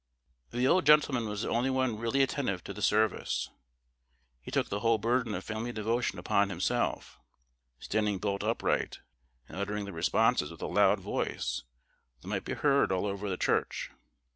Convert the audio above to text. The old gentleman was the only one really attentive to the service. He took the whole burden of family devotion upon himself; standing bolt upright, and uttering the responses with a loud voice that might be heard all over the church.